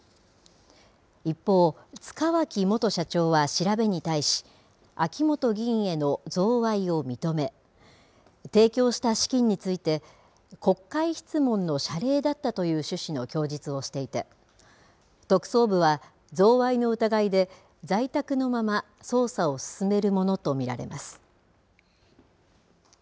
一方、塚脇元社長は調べに対し秋本議員への贈賄を認め提供した資金について国会質問の謝礼だったという趣旨の供述をしていて特捜部は、贈賄の疑いで在宅のまま捜査を進めるものと見られます。